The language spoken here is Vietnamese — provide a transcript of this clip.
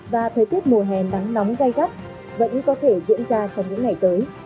và thời tiết mùa hè nắng nóng gai gắt vẫn có thể diễn ra trong những ngày tới